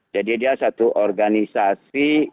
jadi dia satu organisasi